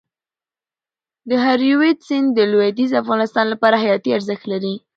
د هریرود سیند د لوېدیځ افغانستان لپاره حیاتي ارزښت لري.